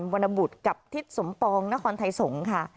วนบุตรกับทิศสมปองนครไทยสงศ์